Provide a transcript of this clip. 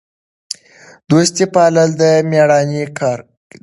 دوستي پالل د میړانې کار دی.